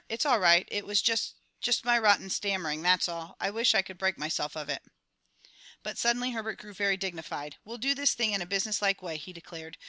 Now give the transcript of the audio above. "It's all right. It was ju just my rotten stammering, that's all. I wish I could break myself of it." But suddenly Herbert grew very dignified. "We'll do this thing in a business like way," he declared.